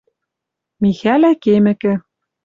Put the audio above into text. Михӓлӓ кемӹкӹ